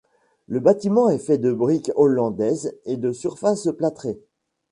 Le bâtiment est fait de briques hollandaises et de surfaces plâtrées.